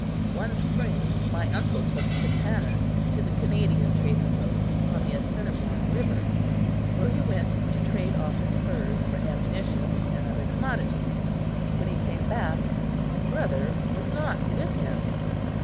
One spring my uncle took Chatanna to the Canadian trading post on the Assiniboine river, where he went to trade off his furs for ammunition and other commodities. When he came back, my brother was not with him!